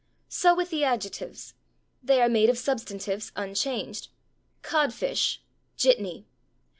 So with the adjectives. They are made of substantives unchanged: /codfish/, /jitney